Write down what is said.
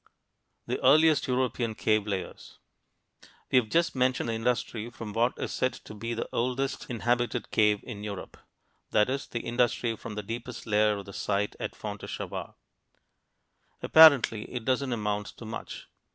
THE EARLIEST EUROPEAN CAVE LAYERS We've just mentioned the industry from what is said to be the oldest inhabited cave in Europe; that is, the industry from the deepest layer of the site at Fontéchevade. Apparently it doesn't amount to much.